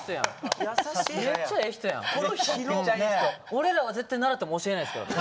俺らは絶対習っても教えないですからね。